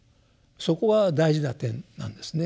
そこが大事な点なんですね。